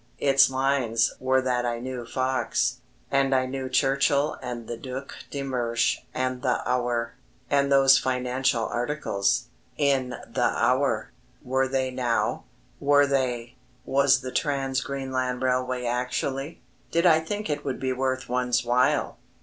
Its lines were that I knew Fox, and I knew Churchill and the Duc de Mersch, and the Hour. "And those financial articles ... in the Hour ... were they now?... Were they ... was the Trans Greenland railway actually ... did I think it would be worth one's while